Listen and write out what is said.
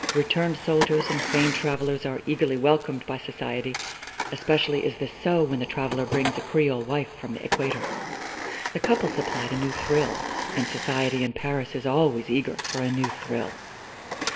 Returned soldiers and famed travelers are eagerly welcomed by society; especially is this so when the traveler brings a Creole wife from the Equator. The couple supplied a new thrill, and society in Paris is always eager for a new thrill.